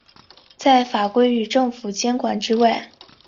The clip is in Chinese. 在法规与政府监管之外。